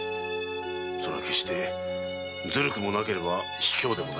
それは決してずるくもなければ卑怯でもないぞ。